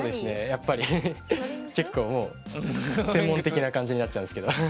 やっぱり結構もう専門的な感じになっちゃうんですけど。